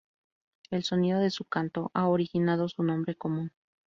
El sonido de su canto ha originado su nombre común.